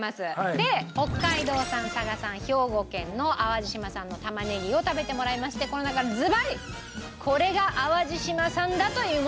で北海道産佐賀産兵庫県の淡路島産の玉ねぎを食べてもらいましてこの中でずばりこれが淡路島産だというものを。